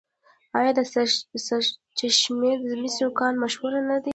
آیا د سرچشمې د مسو کان مشهور نه دی؟